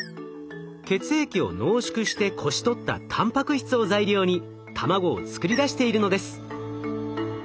血液を濃縮してこし取ったたんぱく質を材料に卵を作り出しているのです。